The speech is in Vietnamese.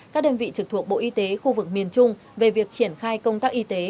các đơn vị trực thuộc bộ y tế khu vực miền trung về việc triển khai công tác y tế